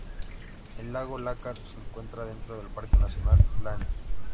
El lago Lácar se encuentra dentro del Parque Nacional Lanín.